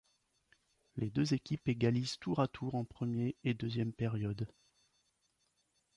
Les deux équipes égalisent tour à tour en premier et deuxième période.